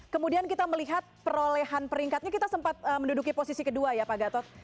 kemudian kita melihat perolehan peringkatnya kita sempat menduduki posisi kedua ya pak gatot